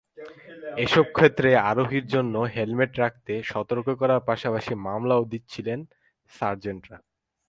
এসব ক্ষেত্রে আরোহীর জন্য হেলমেট রাখতে সতর্ক করার পাশাপাশি মামলাও দিচ্ছিলেন সার্জেন্টরা।